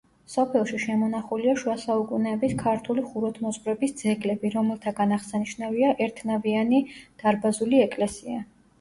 სოფელში შემონახულია შუა საუკუნეების ქართული ხუროთმოძღვრების ძეგლები, რომელთაგან აღსანიშნავია ერთნავიანი დარბაზული ეკლესია.